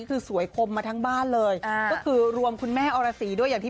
คือสวยคมมาทั้งบ้านเลยอ่าก็คือรวมคุณแม่อรสีด้วยอย่างที่